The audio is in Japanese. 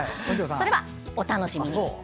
それはお楽しみに。